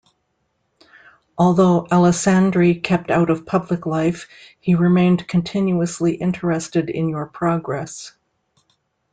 Although Alessandri kept out of public life, he remained continuously interested in your progress.